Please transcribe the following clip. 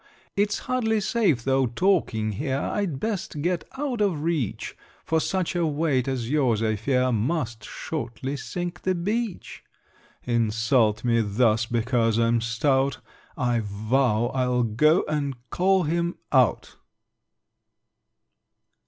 "It's hardly safe, though, talking here I'd best get out of reach: For such a weight as yours, I fear, Must shortly sink the beach!" Insult me thus because I'm stout! I vow I'll go and call him out!